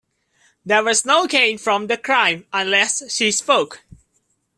There was no gain from the crime unless she spoke.